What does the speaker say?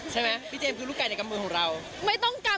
ใช่ไหมพี่เจมส์คือลูกไก่ในกำมือของเรา